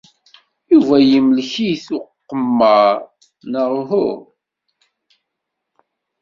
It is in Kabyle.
Yuba yemlek-it uqemmer, neɣ uhu?